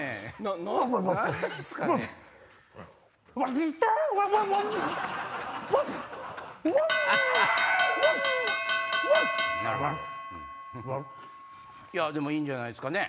ワン？でもいいんじゃないっすかね？